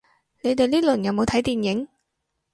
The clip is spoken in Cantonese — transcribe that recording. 你哋呢輪有冇睇電影